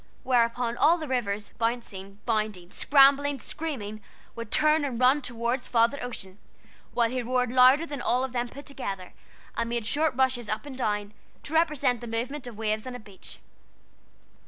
whereupon all the rivers bouncing, bounding, scrambling, screaming, would turn and run toward Father Ocean, while he roared louder than all of them put together, and made short rushes up and down, to represent the movement of waves on a beach.